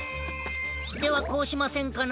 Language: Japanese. ではこうしませんかな？